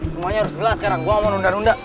semuanya harus jelas sekarang gue mau nunda nunda